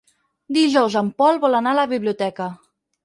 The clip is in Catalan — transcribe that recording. Dijous en Pol vol anar a la biblioteca.